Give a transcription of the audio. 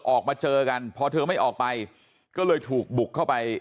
ออกมาเจอกันพอเธอไม่ออกไปก็เลยถูกบุกเข้าไป